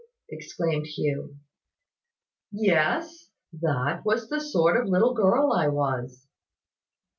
exclaimed Hugh. "Yes; that was the sort of little girl I was.